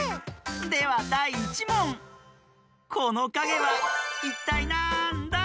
ではだい１もんこのかげはいったいなんだ？